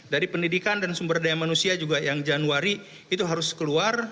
dari pendidikan dan sumber daya manusia juga yang januari itu harus keluar